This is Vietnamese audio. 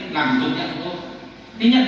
làm tổng nhận của ông ấy